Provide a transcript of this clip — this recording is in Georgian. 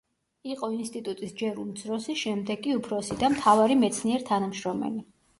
იყო ინსტიტუტის ჯერ უმცროსი, შემდეგ კი უფროსი და მთავარი მეცნიერ თანამშრომელი.